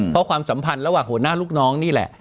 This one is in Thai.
เพราะความสัมพันธ์ระหว่างหัวหน้าลูกน้องนี่แหละ